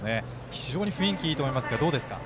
非常に雰囲気いいと思いますがどうですか？